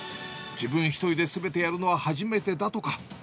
自分１人ですべてやるのは初めてだとか。